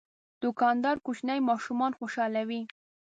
دوکاندار کوچني ماشومان خوشحالوي.